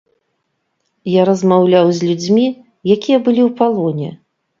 Я размаўляў з людзьмі, якія былі ў палоне.